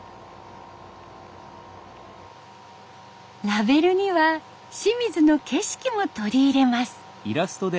ラベルには清水の景色も取り入れます。